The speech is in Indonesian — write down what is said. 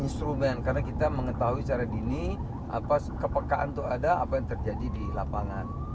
instrumen karena kita mengetahui secara dini kepekaan itu ada apa yang terjadi di lapangan